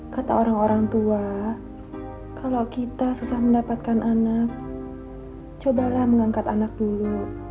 kata orang orang tua kalau kita susah mendapatkan anak cobalah mengangkat anak dulu